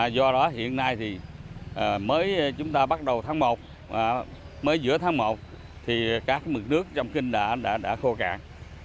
do đó hiện nay thì mới chúng ta bắt đầu tháng một mới giữa tháng một thì các mực nước trong kinh đã khô cạn